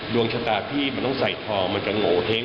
ดวงชะตาพี่มันต้องใส่ทองมันจะโงเห้ง